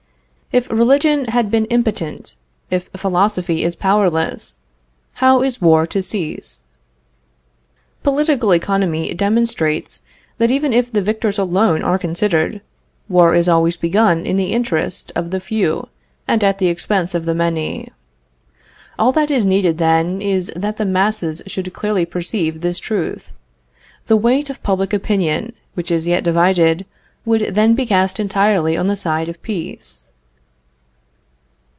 If religion has been impotent, if philosophy is powerless, how is war to cease? Political economy demonstrates that even if the victors alone are considered, war is always begun in the interest of the few, and at the expense of the many. All that is needed, then, is that the masses should clearly perceive this truth. The weight of public opinion, which is yet divided, would then be cast entirely on the side of peace.